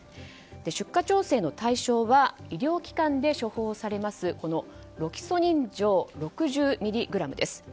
出荷調整の対象は医療機関で処方されますロキソニン錠６０ミリグラムです。